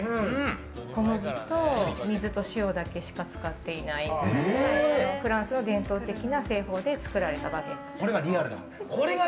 小麦と水と塩だけしか使っていないフランスの伝統的な製法で作られたバゲットです。